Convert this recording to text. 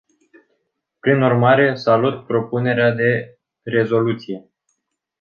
Prin urmare, salut propunerea de rezoluție.